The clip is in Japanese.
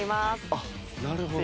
あっなるほど。